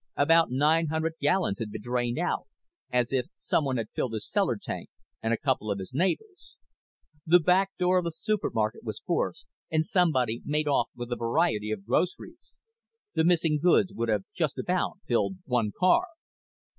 About nine hundred gallons had been drained out as if someone had filled his cellar tank and a couple of his neighbors'. The back door of the supermarket was forced and somebody made off with a variety of groceries. The missing goods would have just about filled one car.